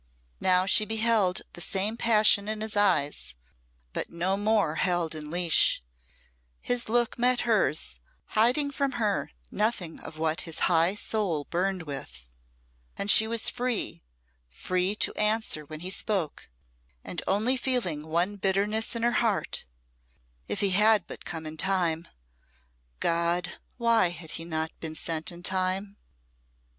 Now she beheld the same passion in his eyes, but no more held in leash: his look met hers, hiding from her nothing of what his high soul burned with; and she was free free to answer when he spoke, and only feeling one bitterness in her heart if he had but come in time God! why had he not been sent in time?